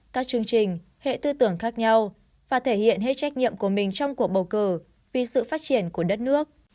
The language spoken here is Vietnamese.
các chương trình hệ tư tưởng khác nhau và thể hiện hết trách nhiệm của mình trong cuộc bầu cử vì sự phát triển của đất nước